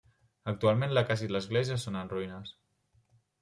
Actualment la casa i l'església són en ruïnes.